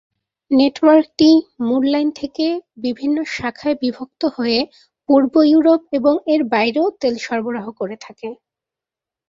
নেটওয়ার্কটি মূল লাইন থেকে বিভিন্ন শাখায় বিভক্ত হয়ে পূর্ব ইউরোপ এবং এর বাইরেও তেল সরবরাহ করে থাকে।